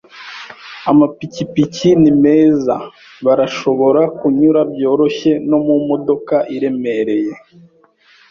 Amapikipiki ni meza. Barashobora kunyura byoroshye no mumodoka iremereye.